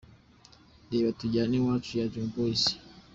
Reba ’Tujyane iwacu’ ya Dream Boyz.